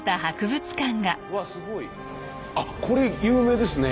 あこれ有名ですね。